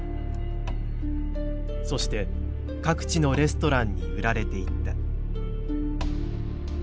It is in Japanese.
そして各地のレストランに売られていった。